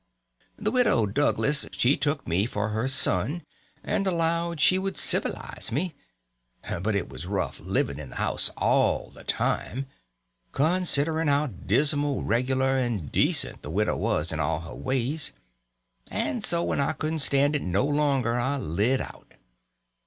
The Widow Douglas she took me for her son, and allowed she would sivilize me; but it was rough living in the house all the time, considering how dismal regular and decent the widow was in all her ways; and so when I couldn't stand it no longer I lit out.